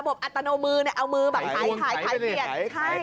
ระบบอัตโนมือเนี่ยเอามือแบบหาย